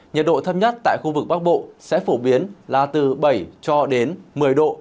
nhiệt độ thấp nhất tại khu vực bắc bộ sẽ phổ biến là từ bảy cho đến một mươi độ